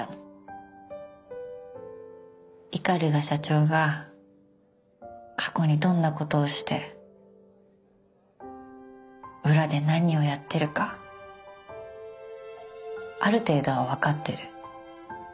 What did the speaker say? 鵤社長が過去にどんなことをして裏で何をやってるかある程度は分かってる。